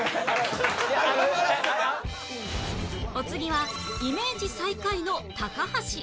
お次はイメージ最下位の高橋